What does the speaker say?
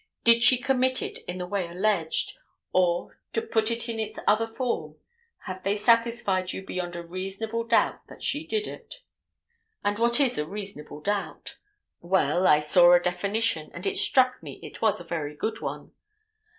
Did she commit it in the way alleged, or to put it in its other form, have they satisfied you beyond a reasonable doubt that she did it? And what is a reasonable doubt? Well, I saw a definition, and it struck me it was a very good one.